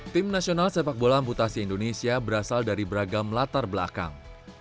tim nasional sepak bola amputasi indonesia berasal dari beragam latar belakang